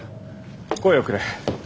声をくれ。